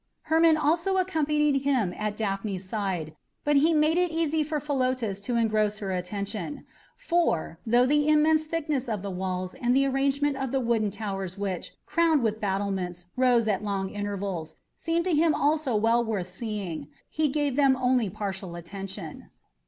Hermon also accompanied him at Daphne's side, but he made it easy for Philotas to engross her attention; for, though the immense thickness of the walls and the arrangement of the wooden towers which, crowned with battlements, rose at long intervals, seemed to him also well worth seeing, he gave them only partial attention.